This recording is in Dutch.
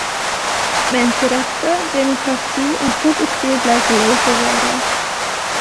Mensenrechten, democratie en goed bestuur blijken loze woorden.